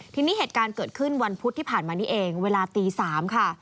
ที่ผ่านมานี่เองเวลาตี๓ค่ะ